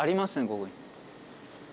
ここに。